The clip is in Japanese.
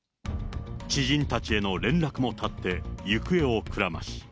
知人たちへの連絡も絶って、行方をくらまし。